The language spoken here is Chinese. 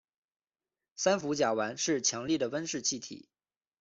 三氟甲烷是强力的温室气体。